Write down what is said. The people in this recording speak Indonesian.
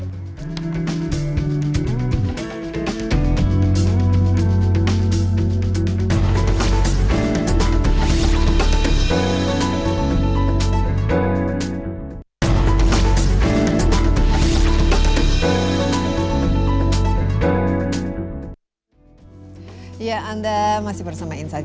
terima kasih banyak daritera